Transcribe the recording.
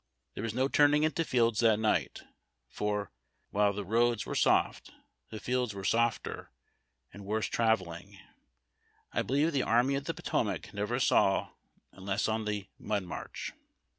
Tliere was no turning into fields that night, for, while the roads were soft, the fields were softer, and worse travelling I be lieve the Army of the Potomac never saw, unless on the " Mud March."